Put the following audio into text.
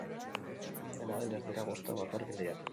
Dena den, ez dira bostak bakarrik lehiatu.